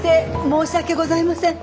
申し訳ございません。